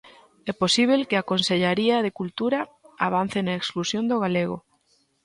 É posíbel que a Consellaría de Cultura avance na exclusión do galego?